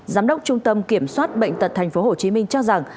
giám đốc trung tâm kiểm soát bệnh tật tp hcm cho rằng